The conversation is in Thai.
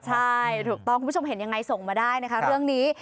ใช่ถูกต้องคุณผู้ชมเห็นยังไงส่งมาได้นะคะเรื่องนี้